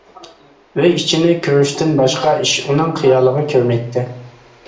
ئۆي ئىچىنى كۆرۈشتىن باشقا ئىش ئۇنىڭ خىيالىغا كىرمەيتتى.